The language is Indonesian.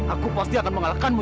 aku akan membalas taresmu